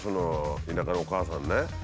田舎のおかあさんね